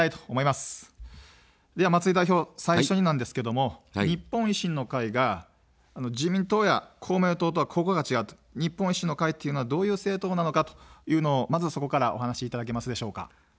では、松井代表、最初になんですけども日本維新の会が自民党や公明党とはここが違う、日本維新の会というのはどういう政党なのかというのをまずそこからお話しいただけますでしょうか。